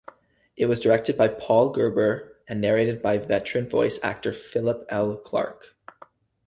It was directed by Paul Gerber and narrated by veteran voice-actor Philip L. Clarke.